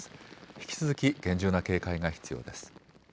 引き続き厳重な警戒が必要です。